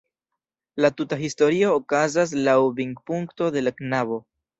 La tuta historio okazas laŭ vidpunkto de la knabo.